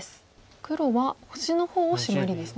黒は星の方をシマリですね。